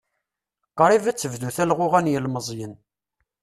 Qrib ad tebdu telɣuɣa n yelmeẓyen.